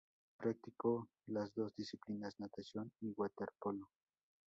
Practicó las dos disciplinas: natación y waterpolo.